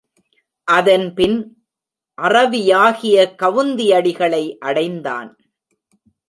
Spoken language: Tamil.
அதன்பின் அறவியாகிய கவுந்தியடிகளை அடைந்தான்.